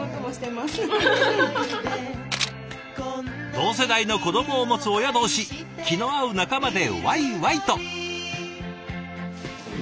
同世代の子どもを持つ親同士気の合う仲間でワイワイと。